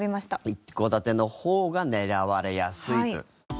一戸建ての方が狙われやすいと。